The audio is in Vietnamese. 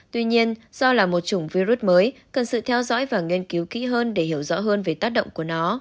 tuy nhiên do là một chủng virus mới cần sự theo dõi và nghiên cứu kỹ hơn để hiểu rõ hơn về tác động của nó